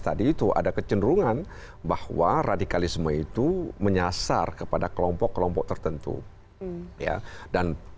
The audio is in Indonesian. tadi itu ada kecenderungan bahwa radikalisme itu menyasar kepada kelompok kelompok tertentu ya dan